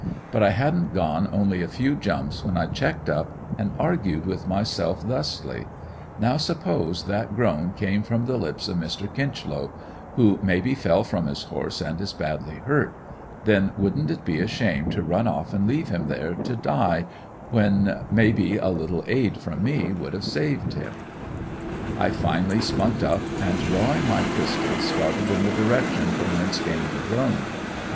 But I hadn't gone only a few jumps when I checked up and argued with myself thusly: Now suppose that groan came from the lips of Mr. Kinchlow, who may be fell from his horse and is badly hurt; then wouldn't it be a shame to run off and leave him there to die when may be a little aid from me would save him? I finally spunked up and drawing my pistol started in the direction from whence came the groan.